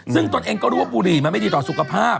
ซึ่งตนเองก็รู้ว่าบุหรี่มันไม่ดีต่อสุขภาพ